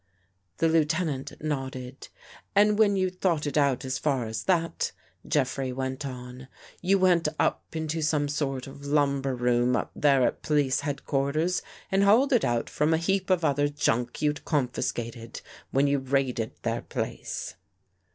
The Lieutenant nodded. " And when you'd thought it out as far as that," Jeffrey went on, " you went up into some sort of lumber room up there at police headquarters and hauled it out from a heap of other junk you'd con fiscated when you raided their place."